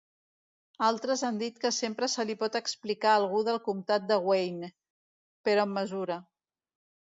Altres han dit que sempre se li pot explicar a algú del comtat de Wayne, però amb mesura.